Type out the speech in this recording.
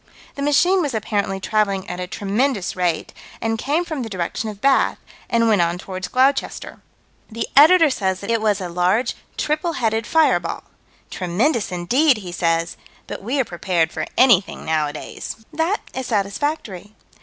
"The machine was apparently traveling at a tremendous rate, and came from the direction of Bath, and went on toward Gloucester." The Editor says that it was a large, triple headed fireball. "Tremendous indeed!" he says. "But we are prepared for anything nowadays." That is satisfactory.